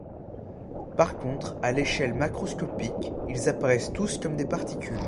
Par contre, à l'échelle macroscopique, ils apparaissent tous comme des particules.